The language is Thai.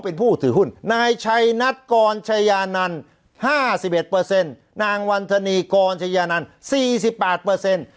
เป็นผู้ถือหุ้นนายชัยนัตรกรชายานันตร์ห้าสิบเอ็ดเปอร์เซ็นต์